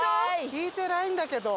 聞いてないんだけど。